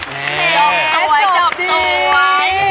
แห้งเจ๋งสวย